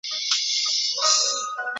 最初还不过分